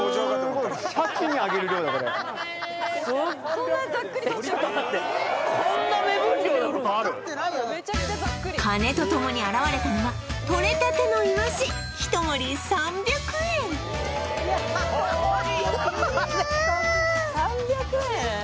これ鐘とともに現れたのはとれたてのイワシ一盛り３００円一盛りいや・３００円！？